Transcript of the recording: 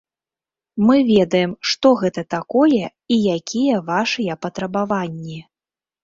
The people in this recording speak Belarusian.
Мы ведаем, што гэта такое і якія вашыя патрабаванні.